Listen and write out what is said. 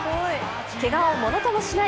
けがをものともしない